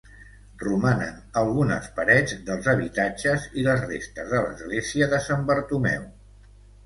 Romanen algunes parets dels habitatges i les restes de l'església de Sant Bartomeu.